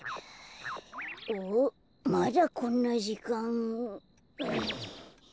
おっまだこんなじかん。